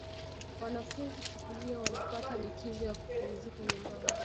wanafunzi siku hiyo wanapata likizo ya kupumzika nyumbani